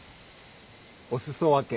お裾分け。